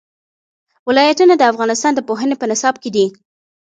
ولایتونه د افغانستان د پوهنې په نصاب کې دي.